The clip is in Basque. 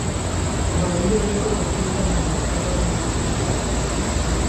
Baloia aurreko partidetan baino azkarrago mugitu dute donostiarrek.